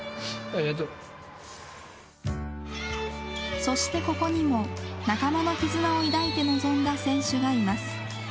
そしてここにも仲間の絆を抱いて臨んだ選手がいます。